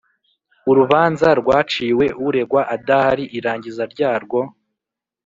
Urubanza rwaciwe uregwa adahari irangiza ryarwo